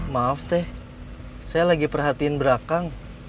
maaf teh saya lagi perhatiin belakang